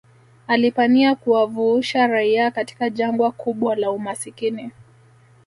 alipania kuwavuusha raia katika jangwa kubwa la umasikini